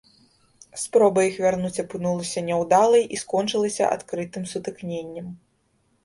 Спроба іх вярнуць апынулася няўдалай і скончылася адкрытым сутыкненнем.